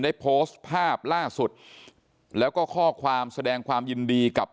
ได้โพสต์ภาพล่าสุดแล้วก็ข้อความแสดงความยินดีกับ